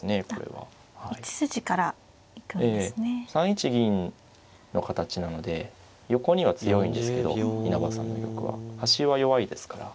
３一銀の形なので横には強いんですけど稲葉さんの玉は端は弱いですから。